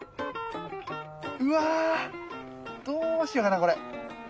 うわどうしようかなこれ。